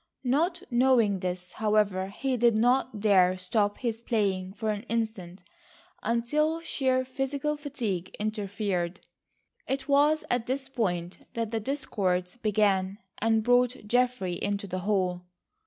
Not knowing this, however, he did not dare stop his playing for an instant, until sheer physical fatigue interfered. It was at this point that the discords began, and brought Geoffrey into the hall.